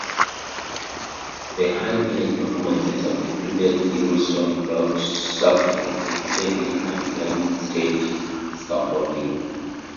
The high energy performances have included Eggleston crowd surfing repeatedly and climbing stage scaffolding.